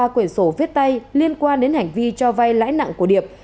ba quyển sổ viết tay liên quan đến hành vi cho vay lãi nặng của điệp